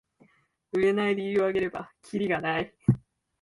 売れない理由をあげればキリがない